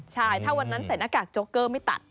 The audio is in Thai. ใช่ถ้าวันนั้นใส่หน้ากากโจ๊กเกอร์ไม่ตัด